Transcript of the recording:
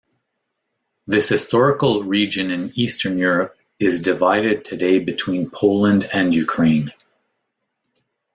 This historical region in Eastern Europe is divided today between Poland and Ukraine.